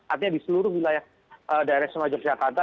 artinya di seluruh wilayah daerah semua yogyakarta